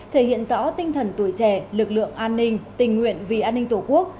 thể hiện rõ tinh thần tuổi trẻ lực lượng an ninh tình nguyện vì an ninh tổ quốc